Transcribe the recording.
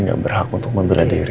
gak berhak untuk membela diri